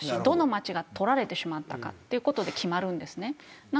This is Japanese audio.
どの街が取られてしまったかというのでも決まるんです。